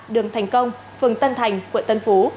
đường thành công phường tân thành quận tân phú